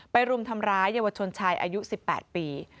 รุมทำร้ายเยาวชนชายอายุ๑๘ปี